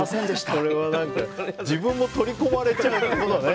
これは自分も取り込まれちゃうってことだね。